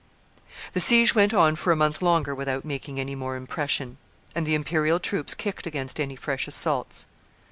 The siege went on for a month longer without making any more impression; and the imperial troops kicked against any fresh assaults.